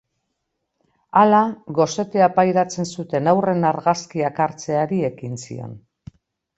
Hala, gosetea pairatzen zuten haurren argazkiak hartzeari ekin zion.